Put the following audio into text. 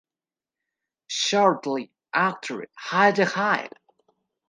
Shortly after Hi-de-Hi!